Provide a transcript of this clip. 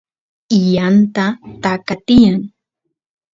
yanta taka tiyan